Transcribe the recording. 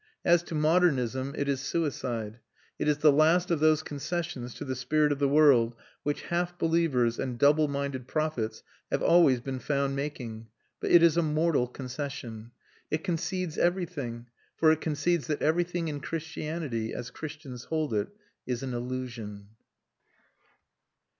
As to modernism, it is suicide. It is the last of those concessions to the spirit of the world which half believers and double minded prophets have always been found making; but it is a mortal concession. It concedes everything; for it concedes that everything in Christianity, as Christians hold it, is an illusion.